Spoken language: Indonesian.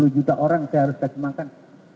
dua puluh juta orang saya harus kasih makan